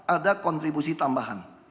ada kontribusi tambahan